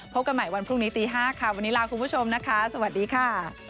กันใหม่วันพรุ่งนี้ตี๕ค่ะวันนี้ลาคุณผู้ชมนะคะสวัสดีค่ะ